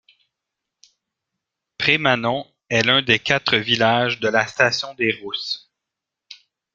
Prémanon est l'un des quatre villages de la station des Rousses.